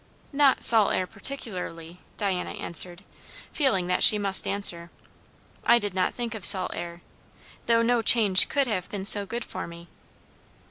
"Not salt air particularly," Diana answered, feeling that she must answer. "I did not think of salt air. Though no change could have been so good for me."